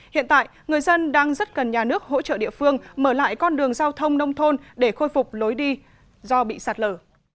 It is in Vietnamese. hiện tại người dân đang rất cần nhà nước hỗ trợ địa phương mở lại con đường giao thông nông thôn để khôi phục lối đi do bị sạt lở